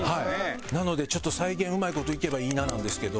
なのでちょっと再現うまい事いけばいいななんですけど。